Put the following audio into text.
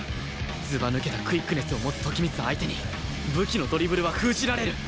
ずば抜けたクイックネスを持つ時光相手に武器のドリブルは封じられる